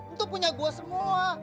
itu punya gue semua